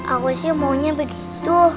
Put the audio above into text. aku sih maunya begitu